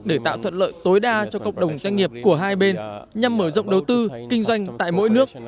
để tạo thuận lợi tối đa cho cộng đồng doanh nghiệp của hai bên nhằm mở rộng đầu tư kinh doanh tại mỗi nước